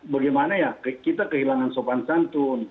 bagaimana ya kita kehilangan sopan santun